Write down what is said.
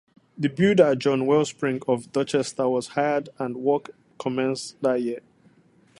The builder John Wellspring of Dorchester was hired and work commenced that year.